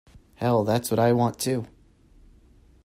Hell, that's what I want too.